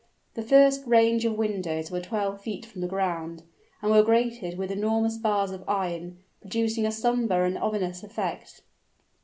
The first range of windows were twelve feet from the ground, and were grated with enormous bars of iron, producing a somber and ominous effect.